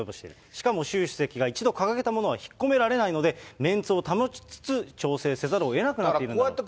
しかも習主席が一度掲げたものは引っ込められないので、メンツを保ちつつ調整せざるをえなくなっているんだろうと。